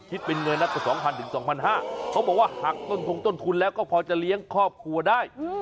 เป็นเงินแล้วก็๒๐๐๒๕๐๐เขาบอกว่าหักต้นทงต้นทุนแล้วก็พอจะเลี้ยงครอบครัวได้